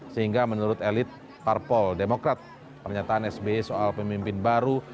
sehingga menurut elit parpol demokrat pernyataan sbi soal pemimpin baru